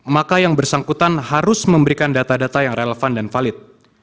maka yang bersangkutan harus memberikan data data yang relevan dan valid